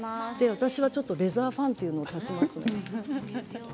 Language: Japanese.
私はレザーファンというのを足します。